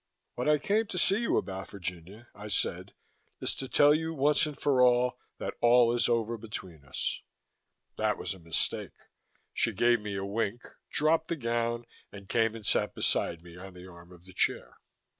"What I came to see you about, Virginia," I said, "is to tell you, once and for all, that all is over between us." That was a mistake. She gave me a wink, dropped the gown and came and sat beside me on the arm of the chair.